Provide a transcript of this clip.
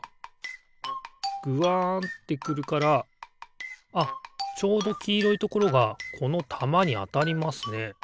ぐわんってくるからあっちょうどきいろいところがこのたまにあたりますね。